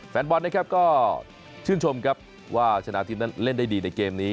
แฟนบอสก็ชื่นชมครับว่าชนะทีมนั้นเล่นได้ดีในเกมนี้